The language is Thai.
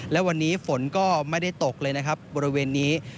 และวันนี้ฝนก็ไม่ได้ตกเลยนะครับบริเวณนี้